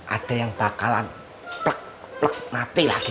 ada yang bakalan plek mati lagi